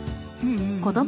うん。